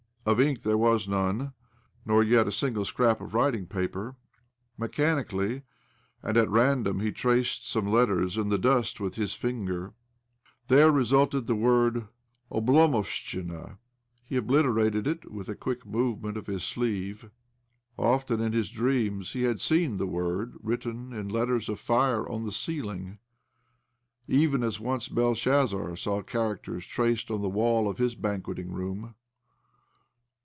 Of ink tbere was none, nor yet a single scrap of writing paper. Mechanically and at random he traced some letters in the dust with his finger. There resulted the word Obtomovstchina.^ He obliterated it with a quick movement of his sleeve. Often in his dreams had he seen the word written in letters of fire on the ceiling, even as once Belshazzar saw characters traced on the wall of his banqueting room.